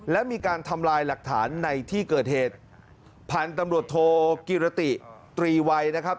และมีการทำลายหลักฐานในที่เกิดเหตุพันธุ์ตำรวจโทกิรติตรีวัยนะครับ